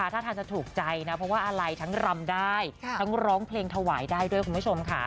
ถ้าทานจะถูกใจนะเพราะว่าอะไรทั้งรำได้ทั้งร้องเพลงถวายได้ด้วยคุณผู้ชมค่ะ